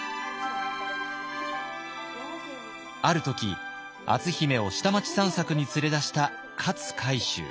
ある時篤姫を下町散策に連れ出した勝海舟。